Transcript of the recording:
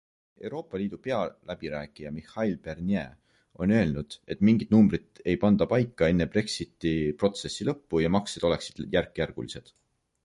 Euroopa Liidu pealäbirääkija Michel Barnier on öelnud, et mingit numbrit ei panda paika enne Brexiti-protsessi lõppu ja maksed oleksid järkjärgulised.